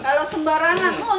kalau sembarangan munc ratak kebuka